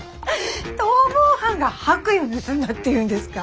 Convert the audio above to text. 逃亡犯が白衣を盗んだっていうんですか？